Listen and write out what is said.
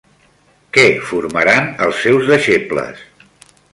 Què formaran els seus deixebles?